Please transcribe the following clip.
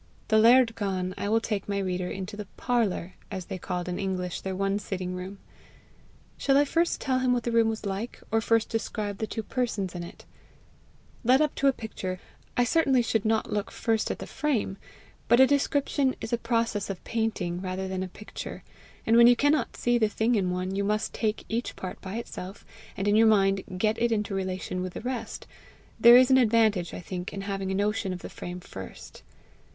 The laird gone, I will take my reader into the PARLOUR, as they called in English their one sitting room. Shall I first tell him what the room was like, or first describe the two persons in it? Led up to a picture, I certainly should not look first at the frame; but a description is a process of painting rather than a picture; and when you cannot see the thing in one, but must take each part by itself, and in your mind get it into relation with the rest, there is an advantage, I think, in having a notion of the frame first.